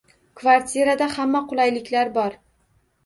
Kvartirada hamma qulayliklar bor.